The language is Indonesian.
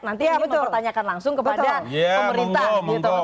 nanti ingin mempertanyakan langsung kepada pemerintah